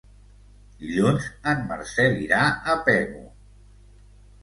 Dilluns en Marcel irà a Pego.